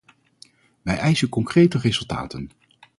Wij eisen concrete resultaten!